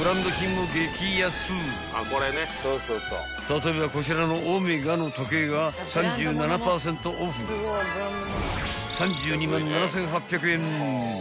［例えばこちらのＯＭＥＧＡの時計が３７％オフの３２万７，８００円！］